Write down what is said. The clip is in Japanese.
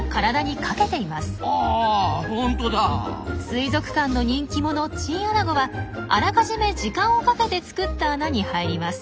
水族館の人気者チンアナゴはあらかじめ時間をかけて作った穴に入ります。